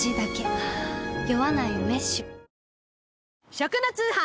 食の通販。